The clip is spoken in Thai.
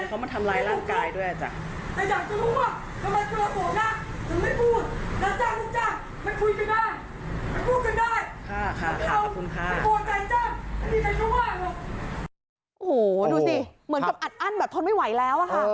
โอ้โหดูสิเหมือนกับอัดอั้นแบบทนไม่ไหวแล้วอะค่ะ